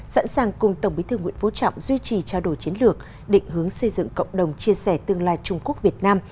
sẵn sàng cùng tổng bí thư nguyễn phú trọng duy trì trao đổi chiến lược định hướng xây dựng cộng đồng chia sẻ tương lai trung quốc việt nam